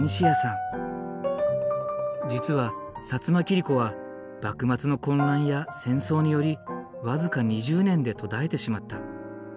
実は摩切子は幕末の混乱や戦争により僅か２０年で途絶えてしまった。